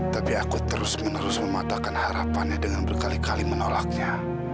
tapi aku terus menerus mematahkan harapannya dengan berkali kali menolaknya